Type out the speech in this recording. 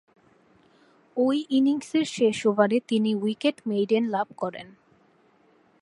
ঐ ইনিংসের শেষ ওভারে তিনি উইকেট-মেইডেন লাভ করেন।